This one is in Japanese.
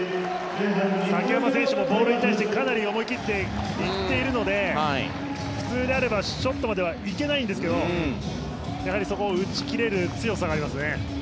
崎濱選手もボールに対してかなり思い切って行っているので普通であればショットまでは行けないんですけどやはりそこを打ち切れる強さがありますね。